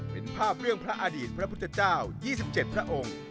เป็นภาพเรื่องพระอดีตพระพุทธเจ้า๒๗พระองค์